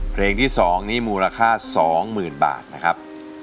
เพลงที่๒มูลค่า๒หมื่นบาทนะครับ